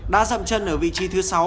đã dậm chân ở vị trí thứ sáu